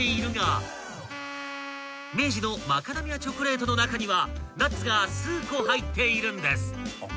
［明治のマカダミアチョコレートの中にはナッツが数個入っているんです］